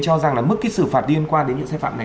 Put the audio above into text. cho rằng là mức cái xử phạt liên quan đến những sai phạm này